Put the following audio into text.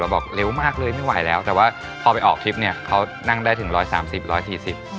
บอกเร็วมากเลยไม่ไหวแล้วแต่ว่าพอไปออกทริปเนี้ยเขานั่งได้ถึงร้อยสามสิบร้อยสี่สิบ